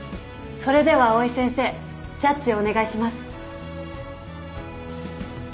それでは藍井先生ジャッジをお願いします。